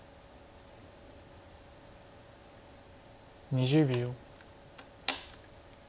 ２０秒。